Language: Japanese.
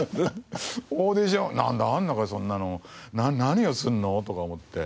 オーディションなんだかそんなの何をするの？とか思って。